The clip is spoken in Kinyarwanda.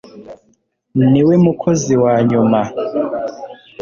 Ni we mukozi wa nyuma